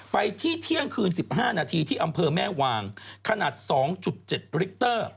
ไปที่เที่ยงคืน๑๕นาทีที่อำเภอแม่วางขนาด๒๗ริกเตอร์